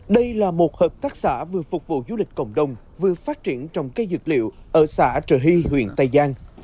đây là một hợp tác xã vừa phục vụ du lịch cộng đồng vừa phát triển trồng cây dược liệu ở xã trời hy huyện tây giang